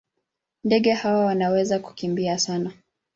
Ndege hawa wanaweza kukimbia sana.